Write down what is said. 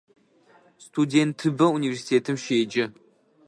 Студентыбэ унивэрситэтым щеджэ.